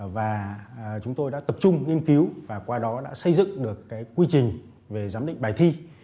và chúng tôi đã tập trung nghiên cứu và qua đó đã xây dựng được quy trình về giám định bài thi